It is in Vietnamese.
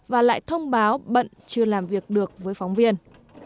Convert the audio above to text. và lại thông báo bận chưa làm việc được với phóng viên